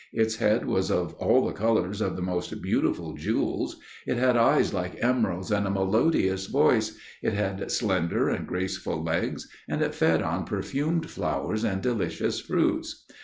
Its head was of all the colours of the most beautiful jewels; it had eyes like emeralds, and a melodious voice; it had slender and graceful legs, and it fed on perfumed flowers and delicious fruits.